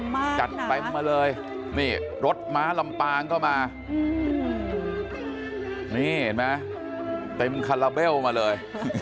มาเลยรถม้าลำป่าเห็นไหมถึงช่วยมาเลย